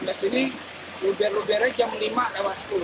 di sini luber lubernya jam lima lewat sepuluh